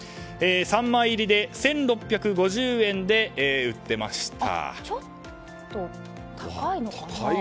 ３枚入りで１６５０円で売っていました。